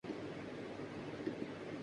یہ تب ہی ممکن ہو گا۔